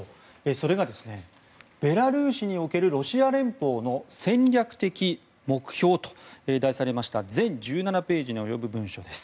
それが、ベラルーシにおけるロシア連邦の戦略的目標と題された全１７ページに及ぶ文書です。